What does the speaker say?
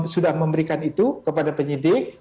sudah memberikan itu kepada penyidik